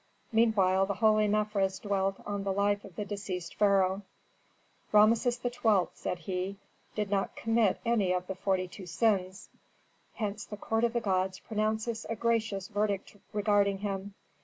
Meanwhile the holy Mefres dwelt on the life of the deceased pharaoh. "Rameses XII.," said he, "did not commit any of the forty two sins, hence the court of the gods pronounces a gracious verdict regarding him.